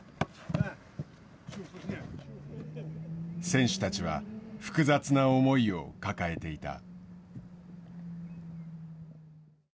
選手たちは複雑な思いを抱えていた。